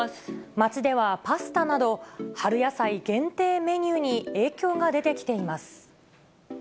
街ではパスタなど、春野菜限定メニューに影響が出てきています。